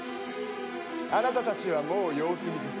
あなたたちはもう用済みです。